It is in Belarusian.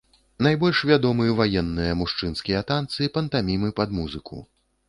Найбольш вядомы ваенныя мужчынскія танцы, пантамімы пад музыку.